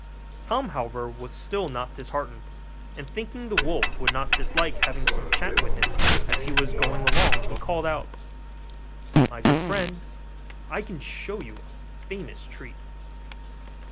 Tom, however, was still not disheartened; and thinking the wolf would not dislike having some chat with him as he was going along, he called out, 'My good friend, I can show you a famous treat.